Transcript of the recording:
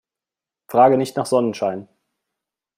Frage nicht nach Sonnenschein.